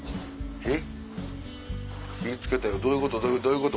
えっ！